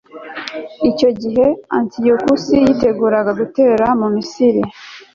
icyo gihe, antiyokusi yiteguraga kongera gutera mu misiri